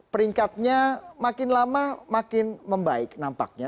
peringkatnya makin lama makin membaik nampaknya